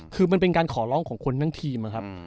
คือมันเป็นการขอร้องของคนทั้งทีมนะครับ